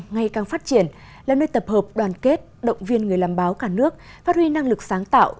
ngày càng phát triển là nơi tập hợp đoàn kết động viên người làm báo cả nước phát huy năng lực sáng tạo